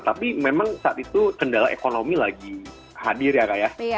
tapi memang saat itu kendala ekonomi lagi hadir ya kak ya